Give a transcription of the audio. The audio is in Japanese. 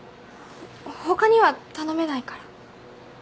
ほかには頼めないから。